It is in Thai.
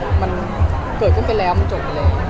ผมไม่คาใจมันเกิดขึ้นไปแล้วมันจบไปแล้ว